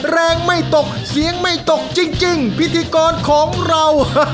ไม่ตกเสียงไม่ตกจริงพิธีกรของเรา